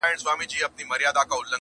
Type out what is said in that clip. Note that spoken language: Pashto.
موږ ته ډک کندو له شاتو مالامال وي -